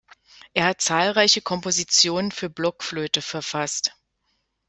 Er hat zahlreiche Kompositionen für Blockflöte verfasst.